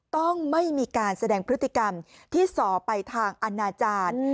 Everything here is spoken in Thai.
ต้องไม่มีการแสดงพฤติกรรมที่สอไปทางอนาจารย์